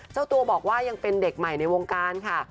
เจ้าตัวบอกว่ายังเป็นเด็กใหม่ในวงการค่ะ